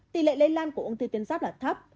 tỷ lệ lây lan của ung thư tuyến giáp là thấp